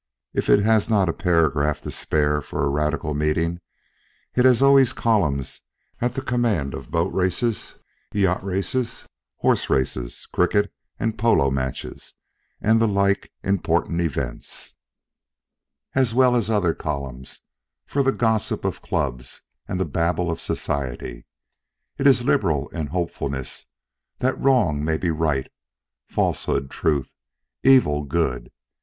If it has not a paragraph to spare for a Radical meeting, it has always columns at the command of boat races, yacht races, horse races, cricket and polo matches, and the like important events, as well as other columns for the gossip of clubs and the babble of society. It is liberal in hopefulness that wrong may be right, falsehood truth, evil good.